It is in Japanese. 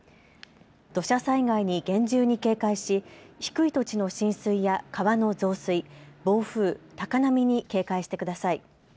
土砂災害に厳重に警戒し、低い土地の浸水や川の増水、暴風、高波に警戒してください。